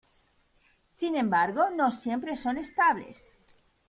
Sin embargo, no siempre son estables.